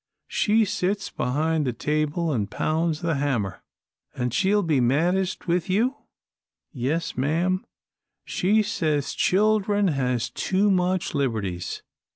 She sits behind the table an' pounds the hammer." "And she'll be maddest with you?" "Yes, ma'am. She says children has too much liberties."